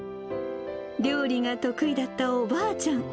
料理が得意だったおばあちゃん。